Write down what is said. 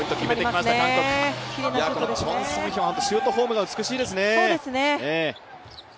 チョン・ソンヒョン、シュートフォームが美しいですね。